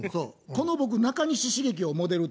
この僕中西茂樹をモデルとした『茂王』